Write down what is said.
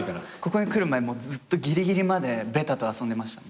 ここに来る前もずっとぎりぎりまでベタと遊んでました。